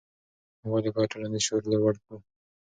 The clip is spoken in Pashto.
ولې باید ټولنیز شعور لوړ کړو؟